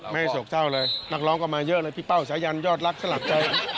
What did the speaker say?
ไม่โศกเศร้าเลยนักร้องก็มาเยอะเลยพี่เป้าสายันยอดรักสลักใจ